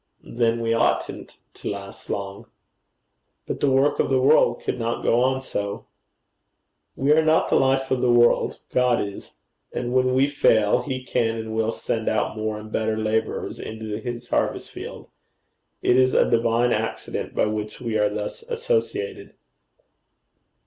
'Then we oughtn't to last long.' 'But the work of the world could not go on so.' 'We are not the life of the world. God is. And when we fail, he can and will send out more and better labourers into his harvest field. It is a divine accident by which we are thus associated.'